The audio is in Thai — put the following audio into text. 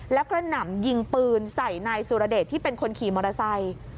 แล้วกระหน่ำยิงปืนใส่นายสุรเดชที่เป็นคนขี่มอเตอร์ไซค์